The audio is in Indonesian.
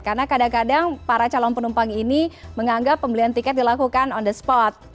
karena kadang kadang para calon penumpang ini menganggap pembelian tiket dilakukan on the spot